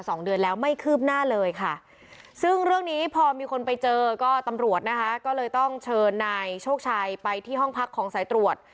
ทีนี้พอมีคนไปเจอก็ตำรวจนะคะก็เลยต้องเชิญนายโชคชัยไปที่ห้องพักของสายตรวจ